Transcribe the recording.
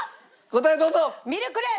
答えどうぞ！